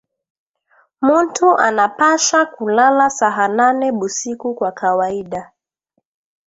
Muntu anapasha kulala saha nane busiku kwa kawaida